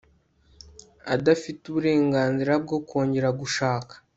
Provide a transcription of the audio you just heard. adafite uburenganzira bwo kongera gushaka